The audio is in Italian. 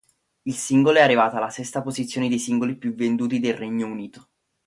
Il singolo è arrivato alla sesta posizione dei singoli più venduti nel Regno Unito.